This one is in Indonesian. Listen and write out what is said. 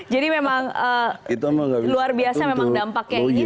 jadi memang luar biasa memang dampaknya ini